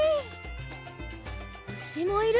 うしもいる！